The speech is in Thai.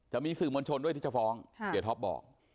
จะมีสื่อมวลชนด้วยที่จะฟ้องเสียท็อปบอก